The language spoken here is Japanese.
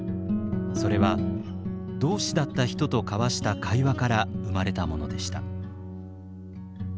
それは同志だった人と交わした会話から生まれたものでした。